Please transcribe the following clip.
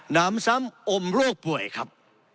น้ำซ้ำอมโรคป่วยครับ